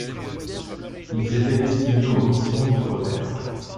Ils étaient destinés aux missions d'outremer.